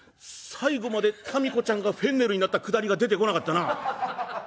「最後までたみこちゃんがフェンネルになったくだりが出てこなかったな。